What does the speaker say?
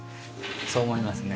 そう思いますね。